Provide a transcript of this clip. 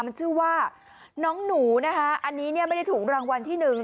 มันชื่อว่าน้องหนูนะคะอันนี้เนี่ยไม่ได้ถูกรางวัลที่หนึ่ง